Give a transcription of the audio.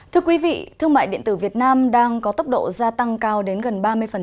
thưa quý vị thương mại điện tử việt nam đang có tốc độ gia tăng cao đến gần ba mươi